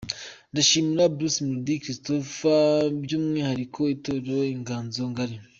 Ndashimira Bruce Melody, Christopher , by’umwihariko itorero Inganzo ngari.